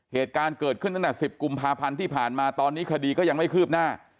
เหตุการณ์เกิดขึ้นตั้งแต่๑๐กุมภาพันธ์ที่ผ่านมาตอนนี้คดีก็ยังไม่คืบหน้า